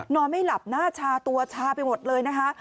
นอนไม่หลับหน้าชาตัวชาไปหมดเลยนะคะ